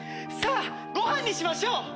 さぁごはんにしましょう！